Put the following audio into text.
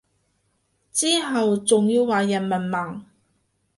之後仲要話人文盲